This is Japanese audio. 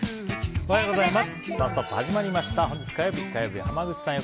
おはようございます。